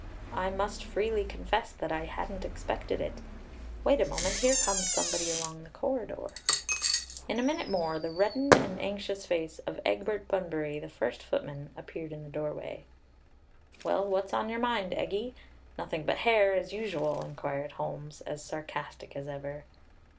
I must freely confess that I hadn't expected it. Wait a moment, here comes somebody along the corridor." In a minute more, the reddened and anxious face of Egbert Bunbury, the first footman, appeared in the doorway. "Well, what's on your mind, Eggie? Nothing but hair, as usual!" inquired Holmes, as sarcastic as ever.